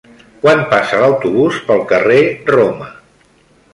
Quan passa l'autobús pel carrer Roma?